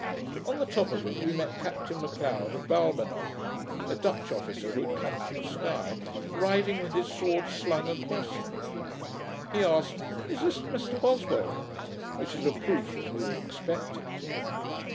On the top of it we met Captain M'Leod of Balmenoch (a Dutch officer who had come from Sky) riding with his sword slung across him. He asked, 'Is this Mr Boswell?' which was a proof that we were expected.